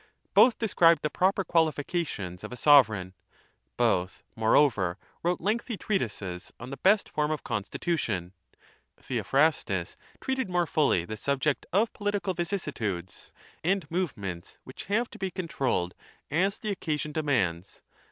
Both described the proper qualifications of a sovereigiijbothmoreoveriwrote lengthy treatises on the best form of constitution ;Theophrastus treated a fully the subject of political vicissitudes a ments wliich have to be controlled as the o mands.